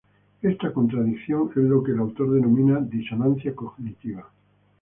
Esta contradicción es lo que el autor denomina disonancia cognitiva.